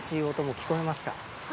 聞こえます。